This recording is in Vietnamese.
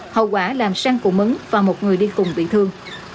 hậu quả làm sang cù mứng và một người đi cùng bị thương